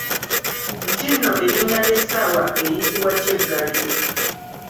Nti nno erinnya ly’essaawa eyitibwa Kyeggaliro.